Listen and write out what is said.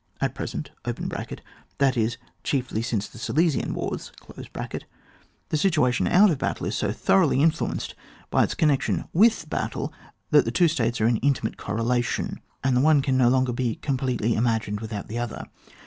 At present (that is, chiefly since the Silesian wars) the situation out of battle is so thoroughly influenced by its connec tion with battle that the two states are in intimate correlation, and the one can no longer be completely imagined without the other.